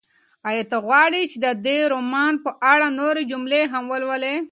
ایا ته غواړې چې د دې رومان په اړه نورې جملې هم ولولې؟